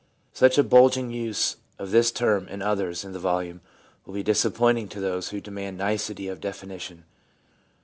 Such a bungling use of this term and of others in the volume will be dis appointing to those who demand nicety of definition.